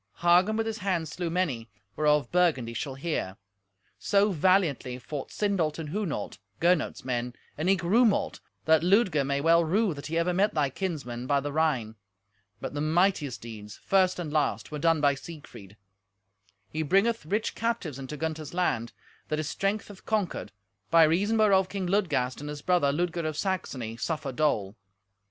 Hagen with his hand slew many, whereof Burgundy shall hear. So valiantly fought Sindolt and Hunolt, Gernot's men, and eke Rumolt, that Ludger may well rue that he ever met thy kinsmen by the Rhine. But the mightiest deeds, first and last, were done by Siegfried. He bringeth rich captives into Gunther's land, that his strength hath conquered, by reason whereof King Ludgast and his brother, Ludger of Saxony, suffer dole.